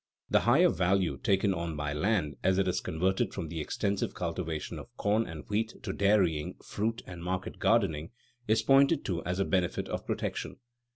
The higher value taken on by land as it is converted from the extensive cultivation of corn and wheat to dairying, fruit, and market gardening, is pointed to as a benefit of protection.